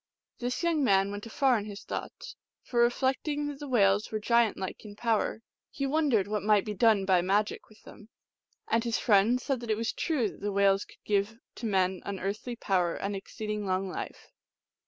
This young man went afar in his thoughts ; for re flecting that the whales were giant like in power, he wondered what might be done by magic with them. And his friend said that it was true that the whales coidd give to man unearthly power and exceeding long life.